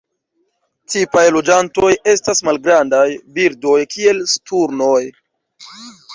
Tipaj loĝantoj estas malgrandaj birdoj kiel sturnoj.